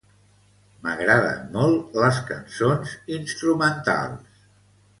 M'agraden molt les cançons instrumentals.